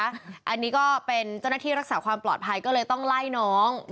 อันนี้ก็เป็นเจ้าหน้าที่รักษาความปลอดภัยก็เลยต้องไล่น้อง